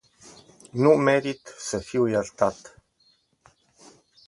Nu merit sa fiu iertat.